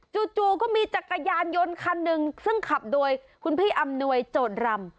จู่ก็มีจักรยานยนต์คันหนึ่งซึ่งขับโดยคุณพี่อำนวยโจรรำ